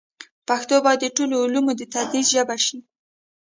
پښتو باید د ټولو علومو د تدریس ژبه شي.